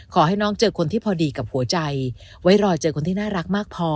ขอให้น้องเจอคนที่พอดีกับหัวใจไว้รอเจอคนที่น่ารักมากพอ